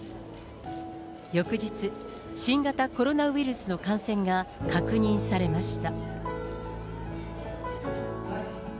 翌日、新型コロナウイルスの感染が確認されました。